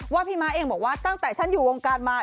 พี่ม้าเองบอกว่าตั้งแต่ฉันอยู่วงการมา